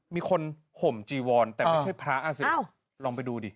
มีคนห่มจีวอนแต่ไม่ใช่พระอ่ะสิลองไปดูดิ